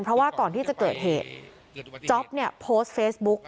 เพราะว่าก่อนที่จะเกิดเหตุจ๊อปเนี่ยโพสต์เฟซบุ๊ก